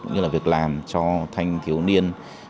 cũng như là việc làm cho thanh thiếu niên